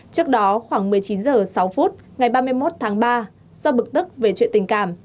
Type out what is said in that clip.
trước đó khoảng một mươi chín h sáu phút ngày ba mươi một tháng ba do bực tức về chuyện tình cảm